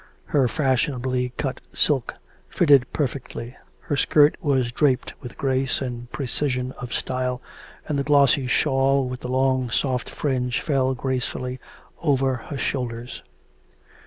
Her fashionably cut silk fitted perfectly; the skirt was draped with grace and precision of style, and the glossy shawl with the long soft fringe fell gracefully over her shoulders.